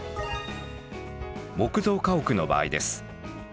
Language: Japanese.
木造家屋の場合です。